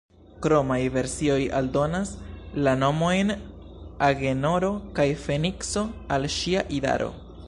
Kromaj versioj aldonas la nomojn Agenoro kaj Fenikso al ŝia idaro.